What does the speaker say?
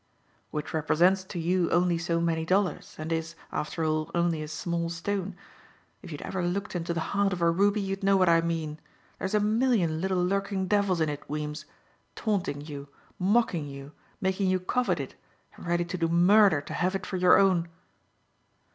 "Which represents to you only so many dollars, and is, after all, only a small stone. If you'd ever looked into the heart of a ruby you'd know what I mean. There's a million little lurking devils in it, Weems, taunting you, mocking you, making you covet it and ready to do murder to have it for your own."